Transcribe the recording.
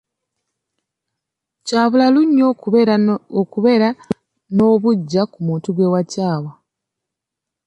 Kya bulalu nnyo okubeera n'obuggya ku muntu gwe wakyawa.